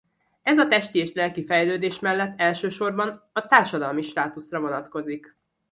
Ez a testi és a lelki fejlődés mellett elsősorban a társadalmi státuszra vonatkozik.